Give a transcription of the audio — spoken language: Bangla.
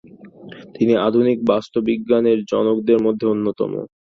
তিনি আধুনিক বাস্তুবিজ্ঞানের জনকদের মধ্যে অন্যতম।